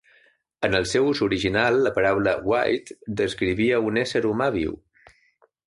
En el seu ús original, la paraula "wight" descrivia un ésser humà viu.